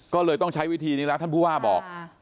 ก็เลยต้องใช้วิธีนี้ล่ะท่านภูฐาบอกท่าน